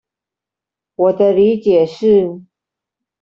我的理解是